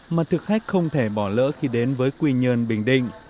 mà thực khách không thể bỏ lỡ khi đến với quy nhơn bình định